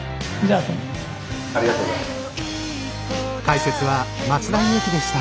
ありがとうございます。